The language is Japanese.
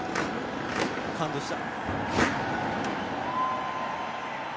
感動した。